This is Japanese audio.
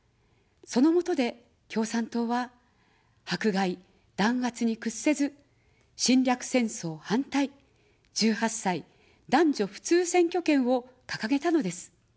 そのもとで、共産党は迫害、弾圧に屈せず、「侵略戦争反対」、「１８歳男女普通選挙権」をかかげたのです。